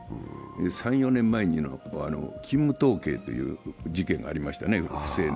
３４年前に勤務統計の不正事件がありましたね。